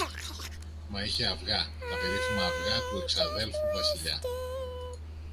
Μα είχε αυγά, τα περίφημα αυγά του εξαδέλφου Βασιλιά.